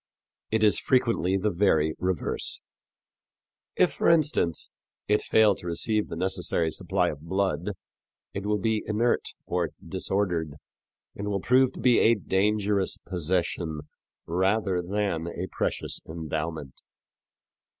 It is frequently the very reverse. If, for instance, it fail to receive the necessary supply of blood, it will be inert or disordered and will prove to be a dangerous possession rather than a precious endowment.